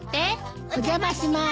・お邪魔します。